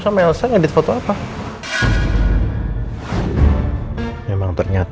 anting yang dipakai mama sarah